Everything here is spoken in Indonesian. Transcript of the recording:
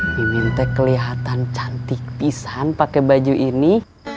miminte kelihatan cantik pisan pakai baju ini